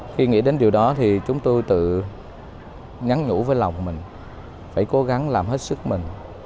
khi nghĩ đến điều đó thì chúng tôi tự nhắn nhủ với lòng mình phải cố gắng làm hết sức mình